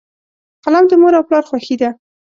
قلم د مور او پلار خوښي ده.